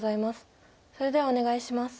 それではお願いします。